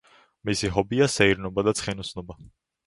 მისი ჰობია სეირნობა და ცხენოსნობა.